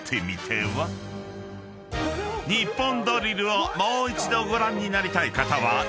［『ニッポンドリル』をもう一度ご覧になりたい方はＴＶｅｒで］